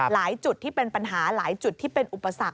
จุดที่เป็นปัญหาหลายจุดที่เป็นอุปสรรค